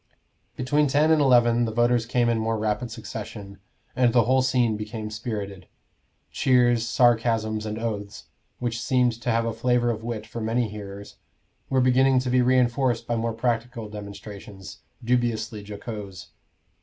Between ten and eleven the voters came in more rapid succession, and the whole scene became spirited. Cheers, sarcasms, and oaths, which seemed to have a flavor of wit for many hearers, were beginning to be reinforced by more practical demonstrations, dubiously jocose.